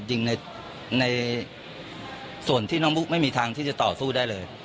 ยิงในส่วนที่น้องบุ๊กไม่มีทางที่จะต่อสู้ได้เลย